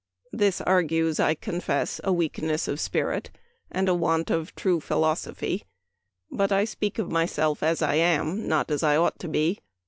This argues, I confess, a weakness of spirit, and a want of true philoso phy ; but I speak oi myself as I am, not as I ought to be.